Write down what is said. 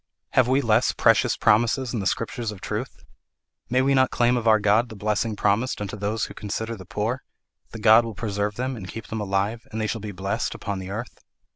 Have we less precious promises in the Scriptures of truth? May we not claim of our God the blessing promised unto those who consider the poor: the Lord will preserve them and keep them alive, and they shall be blessed upon the earth?